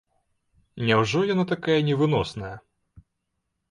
Няўжо яна такая невыносная?